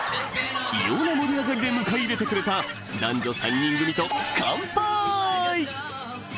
異様な盛り上がりで迎え入れてくれた男女３人組とカンパイ！